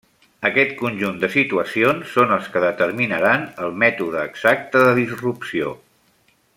Aquest conjunt de situacions són els que determinaran el mètode exacte de disrupció.